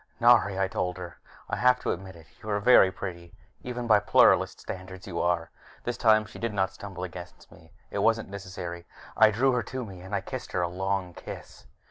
"Nari," I told her, "I have to admit it. You are very pretty even by Pluralist standards. You are " This time she did not stumble against me. It wasn't necessary. I drew her to me, and I kissed her a long kiss.